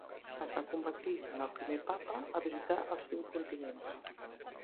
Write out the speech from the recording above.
Es va convertir en el primer Papa a visitar els cinc continents.